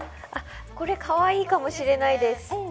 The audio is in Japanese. あっこれカワイイかもしれないです。